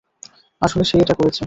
আসলে, সে এটা করেছে।